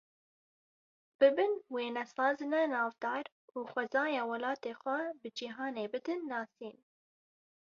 Bibin wênesazine navdar û xwezaya welatê xwe bi cîhanê bidin nasîn!